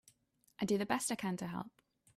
I do the best I can to help.